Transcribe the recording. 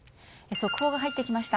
速報が入ってきました。